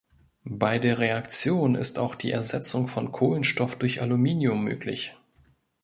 Bei der Reaktion ist auch die Ersetzung von Kohlenstoff durch Aluminium möglich.